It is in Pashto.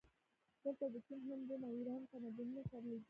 دلته د چین، هند، روم او ایران تمدنونه سره لیدلي